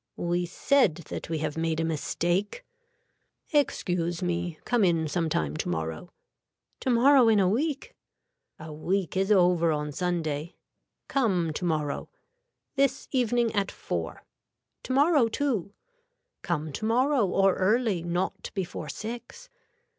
We said that we have made a mistake. Excuse me. Come in some time tomorrow. Tomorrow in a week. A week is over on Sunday. Come tomorrow. This evening at four. Tomorrow too. Come tomorrow or early not before six.